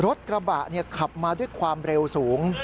รถกระบะขับมาด้วยความเร็วสูง